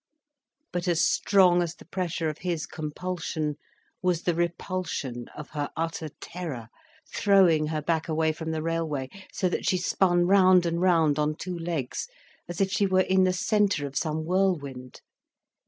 But as strong as the pressure of his compulsion was the repulsion of her utter terror, throwing her back away from the railway, so that she spun round and round, on two legs, as if she were in the centre of some whirlwind.